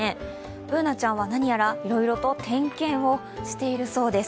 Ｂｏｏｎａちゃんは何やらいろいろと点検をしているそうです。